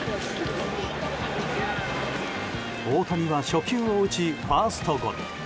大谷は初球を打ちファーストゴロ。